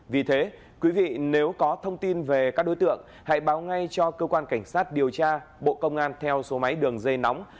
vì thế quý vị nếu có thông tin về các đối tượng hãy báo ngay cho cơ quan cảnh sát điều tra bộ công an theo số máy đường dây nóng sáu mươi chín hai nghìn ba trăm bốn mươi sáu